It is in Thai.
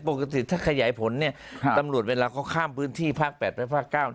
ปกติถ้าขยายผลเนี่ยตำรวจเวลาเขาข้ามพื้นที่ภาค๘ไปภาค๙